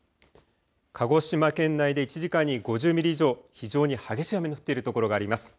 鹿児島県内で１時間に５０ミリ以上、非常に激しい雨の降っている所があります。